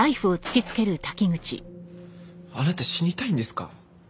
あなた死にたいんですか？